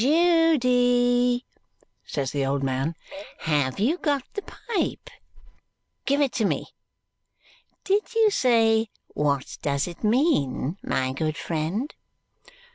"Judy," says the old man. "Have you got the pipe? Give it to me. Did you say what does it mean, my good friend?"